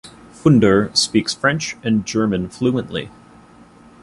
Funder speaks French and German fluently.